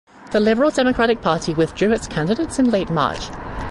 The Liberal Democratic Party withdrew its candidates in late March.